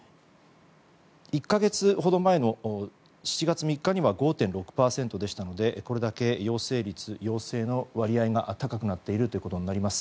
１か月ほど前の７月３日には５．６％でしたのでこれだけ陽性の割合が高くなっているということになります。